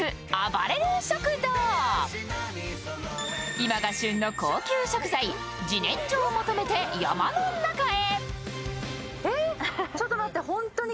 今が旬の高級食材、自然薯を求めて山の中へ！